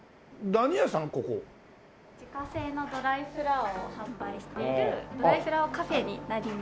自家製のドライフラワーを販売しているドライフラワーカフェになります。